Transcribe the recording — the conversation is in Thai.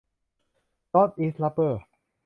นอร์ทอีส รับเบอร์